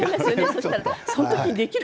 そうしたら。